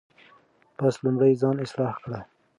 پس لومړی ځان اصلاح کړئ.